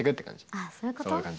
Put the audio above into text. あそういうこと。